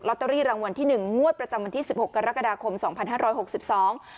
ตเตอรี่รางวัลที่หนึ่งงวดประจำวันที่สิบหกกรกฎาคมสองพันห้าร้อยหกสิบสอง